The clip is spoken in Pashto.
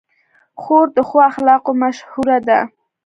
خور د ښو اخلاقو مشهوره ده.